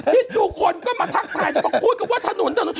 ที่ทุกคนก็มาทักทายจะบอกพูดคำว่าถนนถนน